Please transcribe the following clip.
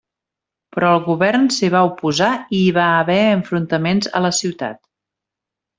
Però el govern s'hi va oposar i hi va haver enfrontaments a la ciutat.